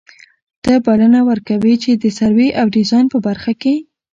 ته بلنه ور کوي چي د سروې او ډيزاين په برخه کي